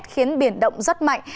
khiến biển động rất mạnh